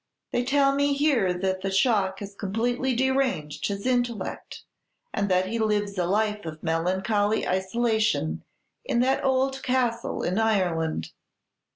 They tell me here that the shock has completely deranged his intellect, and that he lives a life of melancholy isolation in that old castle in Ireland.